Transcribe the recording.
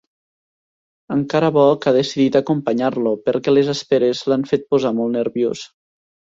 Encara bo que ha decidit acompanyar-lo, perquè les esperes l'han fet posar molt nerviós.